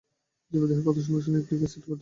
জীবদেহের কত শতাংশ নিউক্লিক এসিড দিয়ে গঠিত?